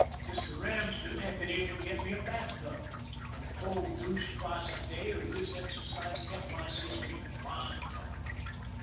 Mr. Ramsden had been able to get me a bath tub, and a cold douche twice a day, with this exercise, kept my system in fine tone.